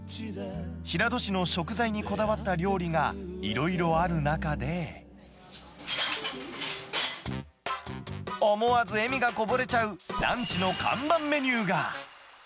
平戸市の食材にこだわった料理がいろいろある中で、思わず笑みがこぼれちゃうランチの看板メニューが。